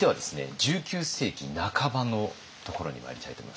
１９世紀半ばのところにまいりたいと思います。